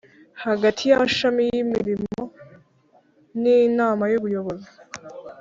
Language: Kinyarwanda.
hagati y amashami y imirimo n inama y ubuyobozi